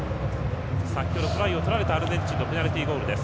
先ほどトライを取られたアルゼンチンのペナルティゴールです。